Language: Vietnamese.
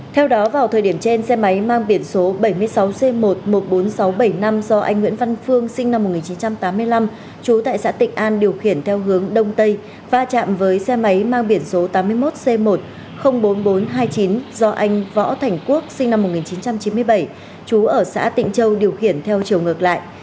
theo đó vào thời điểm trên xe máy mang biển số bảy mươi sáu c một một mươi bốn nghìn sáu trăm bảy mươi năm do anh nguyễn văn phương sinh năm một nghìn chín trăm tám mươi năm chú tại xã tịnh an điều khiển theo hướng đông tây va chạm với xe máy mang biển số tám mươi một c một bốn nghìn bốn trăm hai mươi chín do anh võ thành quốc sinh năm một nghìn chín trăm chín mươi bảy chú ở xã tịnh châu điều khiển theo chiều ngược lại